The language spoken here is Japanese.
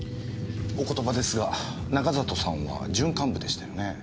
お言葉ですが中里さんは準幹部でしたよね？